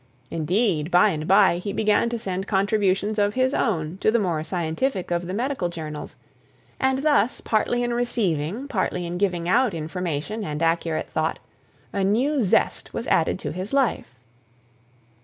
Indeed, by and by, he began to send contributions of his own to the more scientific of the medical journals, and thus partly in receiving, partly in giving out information and accurate thought, a new zest was added to his life.